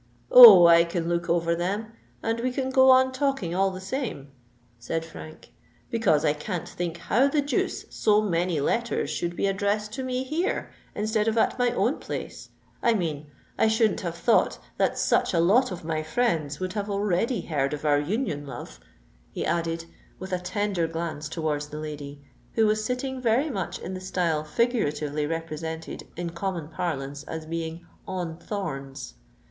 "Oh! I can look over them, and we can go on talking all the same," said Frank: "because I can't think how the deuce so many letters should be addressed to me here—instead of at my own place;—I mean, I shouldn't have thought that such a lot of my friends would have already heard of our union, love," he added, with a tender glance towards the lady, who was sitting very much in the style figuratively represented in common parlance as being "on thorns."